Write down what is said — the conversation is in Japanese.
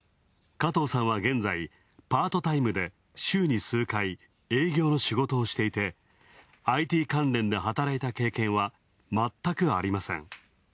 加藤さんは現在、パートタイムで週に数回、営業の仕事をしていてＩＴ関連で働いた経験はまったくありません。